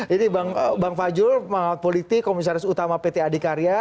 ini bang fajrul pengawat politik komisaris utama pt adhikarya